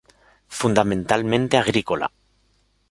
Fundamentalmente agrícola.